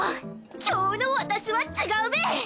今日のわだすは違うべ！